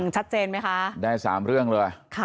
ชัดเจนไหมครับได้สามเรื่องเลยค่ะ